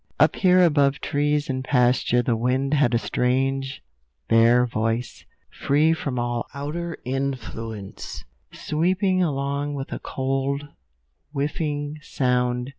Up here above trees and pasture the wind had a strange, bare voice, free from all outer influence, sweeping along with a cold, whiffing sound.